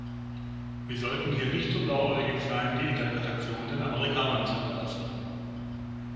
Wir sollten hier nicht so blauäugig sein, die Interpretation den Amerikanern zu überlassen.